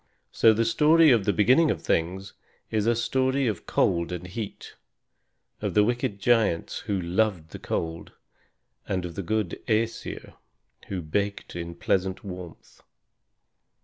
So the story of the Beginning of Things is a story of cold and heat, of the wicked giants who loved the cold, and of the good Æsir, who basked in pleasant warmth.